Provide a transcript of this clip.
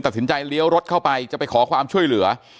ตัดสินใจเลี้ยวรถเข้าไปจะไปขอความช่วยเหลือ